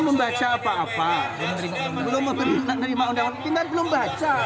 setelah kita pelanjir aja belum ada